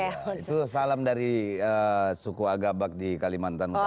itu salam dari suku agama di kalimantan utara